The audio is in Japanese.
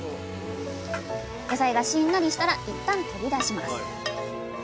野菜がしんなりしたらいったん取り出します。